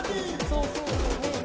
そうそう。